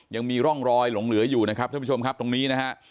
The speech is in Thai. ยังมีร่องรอยหลงเหลืออยู่นะครับท่านผู้ชมครับตรงนี้นะฮะ